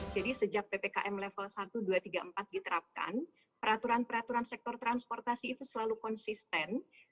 jadi sejak ppkm level satu dua tiga empat diterapkan peraturan peraturan sektor transportasi itu selalu konsisten